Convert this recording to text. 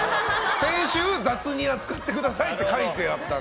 先週「雑に扱ってください」って書いてあったので。